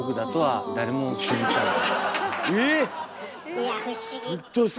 いや不思議。